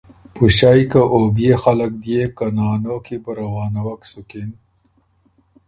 پُݭئ که او بيې خلق ديېک که نانو کی بو واپس روانَوَک سُکِن،